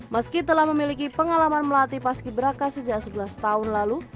meski telah memiliki pengalaman melatih paski beraka sejak sebelas tahun lalu